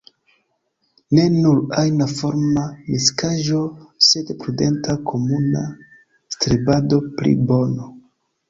Ne nur ajna-forma miksaĵo, sed prudenta komuna strebado pri bono.